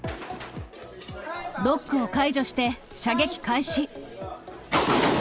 ロックを解除して射撃開始。